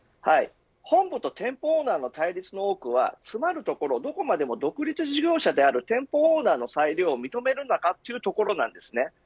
本部と店舗オーナーの対立の多くはつまるところ、どこまでも独立事業者である店舗オーナーの裁量を認めるのかというところです。